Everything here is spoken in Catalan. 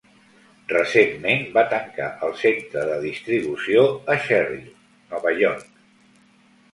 Recentment, va tancar el centre de distribució a Sherrill, Nova York.